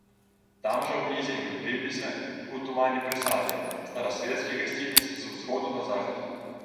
Там жа ўнізе імгліліся ў тумане прысады, старасвецкі гасцінец з усходу на захад.